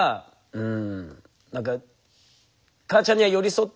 うん。